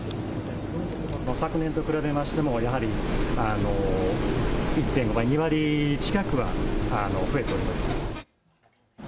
昨年と比べましてもやはり１．５倍、２割近くは。